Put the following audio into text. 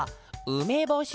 うめぼし？